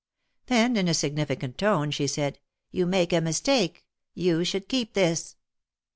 Then in a significant tone she said: You make a mistake. You should keep this."